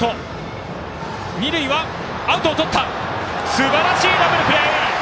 すばらしいダブルプレー！